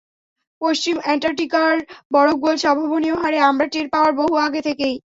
পশ্চিম অ্যান্টার্কটিকার বরফ গলছে অভাবনীয় হারে, আমরা টের পাওয়ার বহু আগে থেকেই।